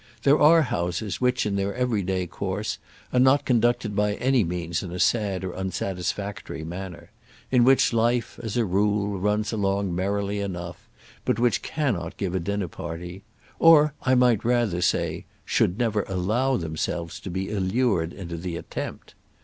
There are houses, which, in their every day course, are not conducted by any means in a sad or unsatisfactory manner, in which life, as a rule, runs along merrily enough; but which cannot give a dinner party; or, I might rather say, should never allow themselves to be allured into the attempt.